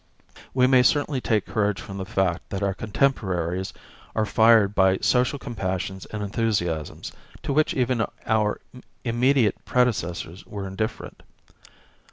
We may certainly take courage from the fact that our contemporaries are fired by social compassions and enthusiasms, to which even our immediate predecessors were indifferent.